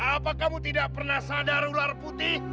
apa kamu tidak pernah sadar ular putih